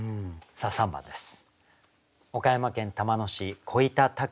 さあ３番です。